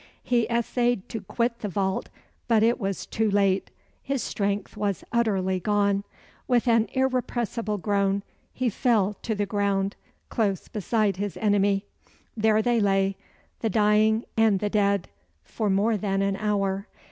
He essayed to quit the vault but it was too late. His strength was utterly gone. With an irrepressible groan, he fell to the ground, close beside his enemy. There they lay, the dying and the dead, for more than an hour.